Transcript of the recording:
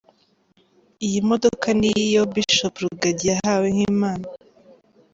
Iyi modoka ni yo Bishop Rugagi yahawe nk’impano